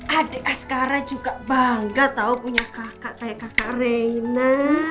adik asgara juga bangga tau punya kakak kayak kakak rena